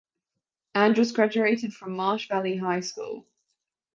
Andrus graduated from Marsh Valley High School.